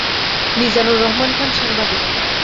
মিজানুর রহমান খান সাংবাদিক।